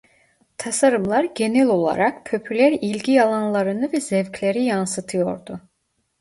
Tasarımlar genel olarak popüler ilgi alanlarını ve zevkleri yansıtıyordu.